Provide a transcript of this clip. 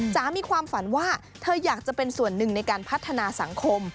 มีความฝันว่าเธออยากจะเป็นส่วนหนึ่งในการพัฒนาสังคม